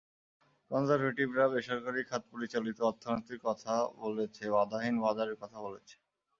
কনজারভেটিভরা বেসরকারি খাত পরিচালিত অর্থনীতির কথা বলেছে, বাধাহীন বাজারের কথা বলেছে।